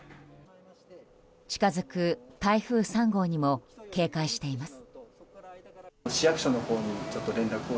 近づく台風３号にも警戒しています。